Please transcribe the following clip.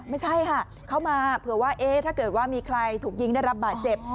ไม่ใช่ค่ะเข้ามาเผื่อว่าถ้าเกิดว่ามีใครถูกยิงได้รับบาดเจ็บ